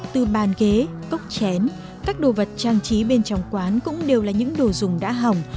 từ bàn ghế cốc chén các đồ vật trang trí bên trong quán cũng đều là những đồ dùng đã hỏng